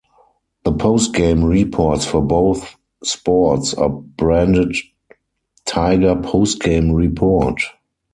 The postgame reports for both sports are branded Tiger Postgame Report.